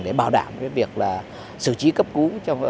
để bảo đảm với việc là sự trí cấp cứu